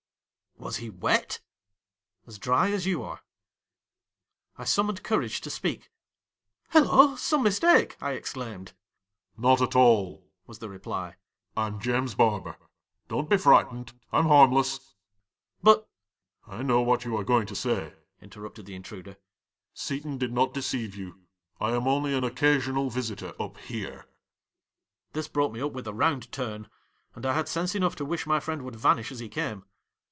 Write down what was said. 'Was he wet?' ' As dry as you are.' ' I summoned courage to speak. " Hallo ! some mistake !" I exclaimed. '" Not at all," was the reply. " I 'm James Barber. Don't be frightened, I 'm harmless." <« But "'" I know what you are going to say, " in terrupted the intruder. "Seton did not de ceive you — I am only an occasional visitor up here.''1 'This brought me up with a round turn, and I had sense enough to wish my friend would vanish as he came.